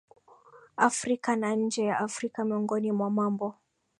Afrika na nje ya Afrika Miongoni mwa mambo